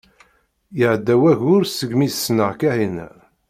Iɛedda wayyur segmi i ssneɣ Kahina.